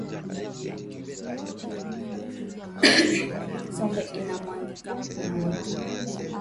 Sombe ina mwangika ku moto